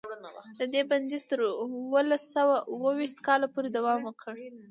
د دې بندیز تر اوولس سوه اوه ویشت کاله پورې دوام وکړ.